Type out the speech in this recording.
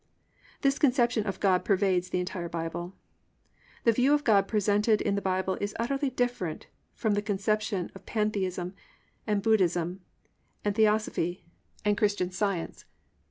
"+ This conception of God pervades the entire Bible. The view of God presented in the Bible is utterly different from the conception of Pantheism and Buddhism and Theosophy and Christian Science.